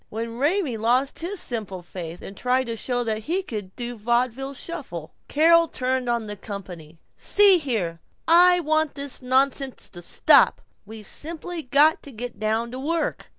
Even Raymie lost his simple faith, and tried to show that he could do a vaudeville shuffle. Carol turned on the company. "See here, I want this nonsense to stop. We've simply got to get down to work."